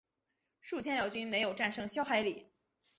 数千辽军没有战胜萧海里。